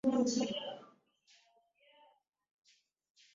Ngombe aliyeathirika na ugonjwa wa mapele